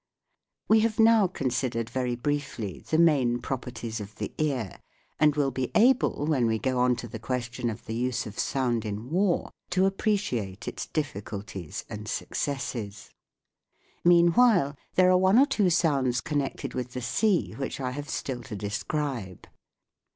We have now considered very briefly the main properties of the ear, and will be able when we go on to the question of the use of sound in war to appreciate its difficulties and successes. Meanwhile there are one or two sounds connected with the sea which I have still to describe.